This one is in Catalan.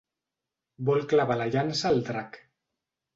Vol clavar la llança al drac.